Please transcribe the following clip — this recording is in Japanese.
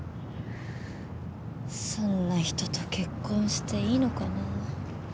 そんな人と結婚していいのかな。